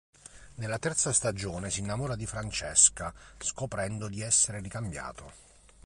Nella terza stagione, si innamora di Francesca, scoprendo di essere ricambiato.